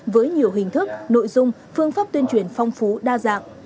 với nhiều hình thức nội dung phương pháp tuyên truyền phong phú đa dạng